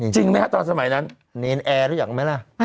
คนเต็ม